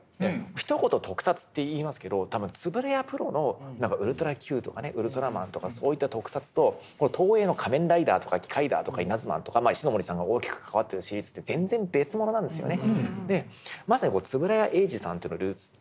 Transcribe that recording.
ひと言特撮って言いますけど多分円谷プロの「ウルトラＱ」とか「ウルトラマン」とかそういった特撮とこの東映の「仮面ライダー」とか「キカイダー」とか「イナズマン」とか石森さんが大きく関わってるシリーズって全然別物なんですよね。